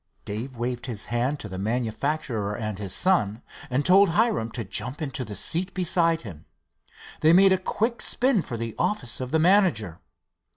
Dave waved his hand to the manufacturer and his son, and told Hiram to jump into the seat beside him. They made a quick spin for the office of the manager.